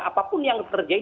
apapun yang terjadi